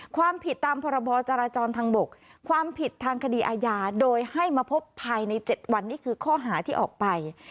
ความผิดตามพรบจราจรทางบกความผิดทางคดีอาญาโดยให้มาพบภายใน๗วันนี้คือข้อหาที่ออกไป